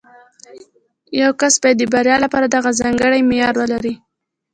یو کس باید د بریا لپاره دغه ځانګړی معیار ولري